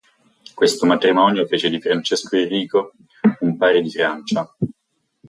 Questo matrimonio fece di Francesco Enrico un Pari di Francia.